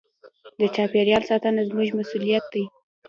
د چاپېریال ساتنه زموږ مسوولیت دی.